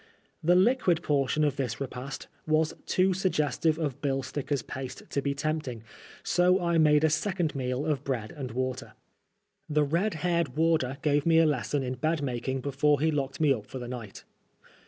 The liquid portion of this repast was too suggestive of bill stickers* paste to be tempting, so I made a second meal of bread and water. The red haired warder gave me a lesson in bed making before he looked me up for the night.